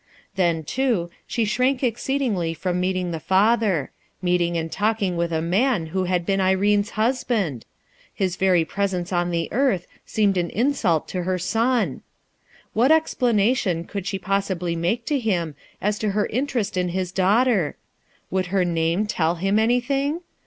Then, too, she shrank exceedingly from meet ing the father; meeting and talking with a man who had been Irene's husband ! his very presence on the earth seemed an insult to her son ! What explanation could she possibly make to him as to her interest in his daughter ? Would her name tell him anything?